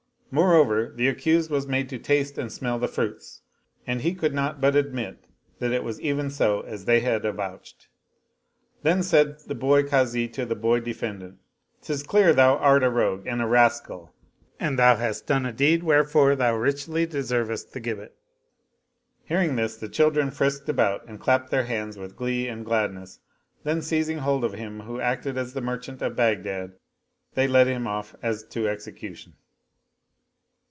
Moreover the accused was made to taste and smell the fruits and he could not but admit that it was even so as they had avouched. Then said the boy Kazi to the boy defendant, " 'Tis clear thou art a rogue and a rascal, and thou hast done a deed wherefor thou richly deservest the gibbet." Hearing this the children frisked about and clapped their hands with glee and gladness, then seizing hold of him who acted as the merchant of Baghdad, they led him off as to execution.